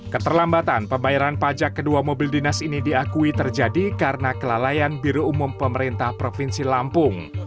keterlambatan pembayaran pajak kedua mobil dinas ini diakui terjadi karena kelalaian biru umum pemerintah provinsi lampung